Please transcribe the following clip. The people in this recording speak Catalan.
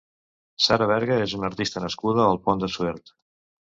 Sara Berga és una artista nascuda al Pont de Suert.